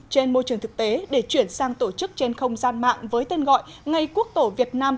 trên môi trường thực tế để chuyển sang tổ chức trên không gian mạng với tên gọi ngày quốc tổ việt nam